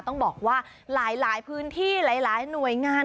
ต้องบอกว่าหลายพื้นที่หลายหน่วยงาน